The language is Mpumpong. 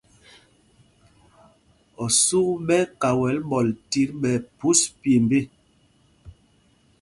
Osûk ɓɛ́ ɛ́ kawɛl ɓɔl tit ɓɛ phūs pyêmb ê.